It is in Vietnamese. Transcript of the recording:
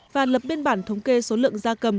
và lập biên bản thống kê số lượng da cầm